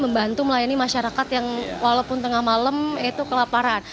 membantu melayani masyarakat yang walaupun tengah malam itu kelaparan